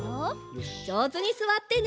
じょうずにすわってね！